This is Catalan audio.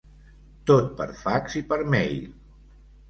Tot per fax i per mail.